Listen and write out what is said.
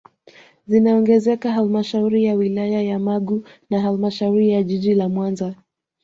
Zinaongezeka halmashauri ya wilaya ya Magu na halmashauri ya jiji la Mwanza